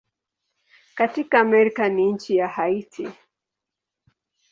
Katika Amerika ni nchi ya Haiti.